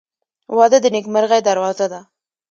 • واده د نیکمرغۍ دروازه ده.